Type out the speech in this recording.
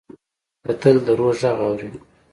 کتل د روح غږ اوري